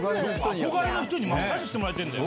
憧れの人にマッサージしてもらえるんだよ。